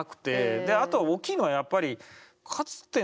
であと大きいのはやっぱりかつての宿敵